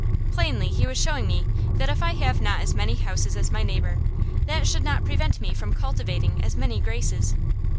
Plainly he was showing me that if I have not as many houses as my neighbor, that should not prevent me from cultivating as many graces.